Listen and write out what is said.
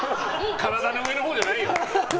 体の上のほうじゃないよ。